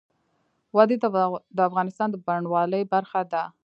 وادي د افغانستان د بڼوالۍ برخه ده.